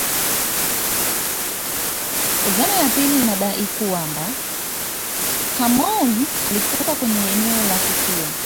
Dhana ya pili inadai kwamba Hamoud alikufa kwenye eneo la tukio